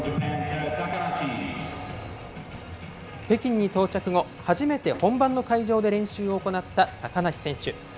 北京に到着後、初めて本番の会場で練習を行った高梨選手。